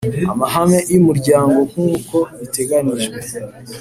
amahame y umuryango nkuko biteganijwe